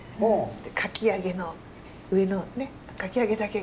かき揚げの上のねかき揚げだけが。